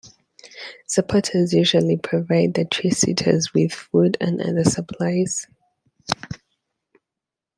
Supporters usually provide the tree sitters with food and other supplies.